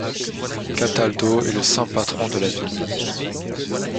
Cataldo est le saint patron de la ville.